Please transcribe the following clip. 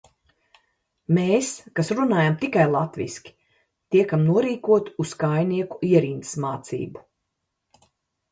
Mēs, kas runājam tikai latviski, tiekam norīkoti uz kājnieku ierindas mācību.